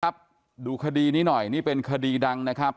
ดูคดีนี้หน่อยนี่เป็นคดีดังนะครับ